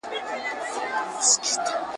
بیا به ګل د ارغوان وي ته به یې او زه به نه یم ..